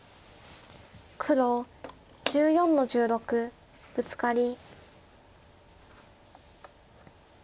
黒１４の十六ブツカリ。